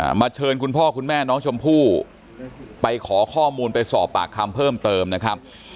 มาเชิญคุณพ่อคุณแม่น้องชมพู่ไปขอข้อมูลไปสอบปากคำเพิ่มเติมนะครับ